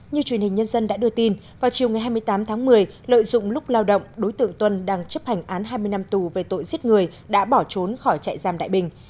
như truyền hình nhân dân đã đưa tin vào chiều ngày hai mươi tám tháng một mươi lợi dụng lúc lao động đối tượng tuân đang chấp hành án hai mươi năm tù về tội giết người đã bỏ trốn khỏi trại giam đại bình